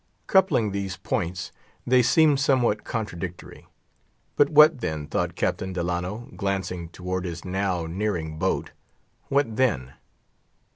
Coupling these points, they seemed somewhat contradictory. But what then, thought Captain Delano, glancing towards his now nearing boat—what then?